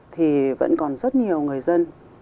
thì vẫn còn rất nhiều người dân